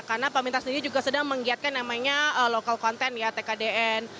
karena pemerintah sendiri juga sedang menggiatkan namanya local content ya tkdn